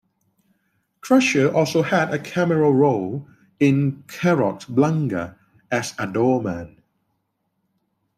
Crusher also had a cameo role in "Carrotblanca" as a doorman.